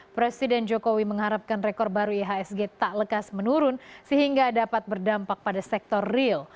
presiden jokowi mengharapkan rekor baru ihsg tak lekas menurun sehingga dapat berdampak pada sektor real